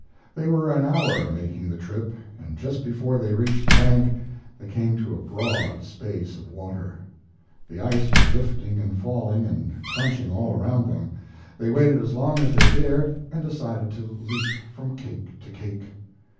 They were an hour making the trip, and just before they reached the bank they came to a broad space of water. The ice was lifting and falling and crunching all around them. They waited as long as they dared and decided to leap from cake to cake.